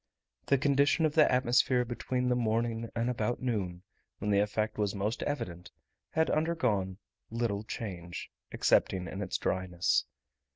The condition of the atmosphere between the morning and about noon, when the effect was most evident, had undergone little change, excepting in its dryness.